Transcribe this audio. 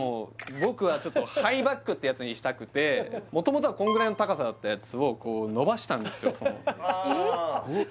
僕はちょっとハイバックってやつにしたくて元々はこんぐらいの高さだったやつをこう伸ばしたんですよえっ？